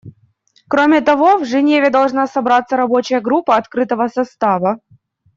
Кроме того, в Женеве должна собраться рабочая группа открытого состава.